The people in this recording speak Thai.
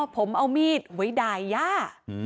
อ๋อผมเอามีดไว้ใดย่า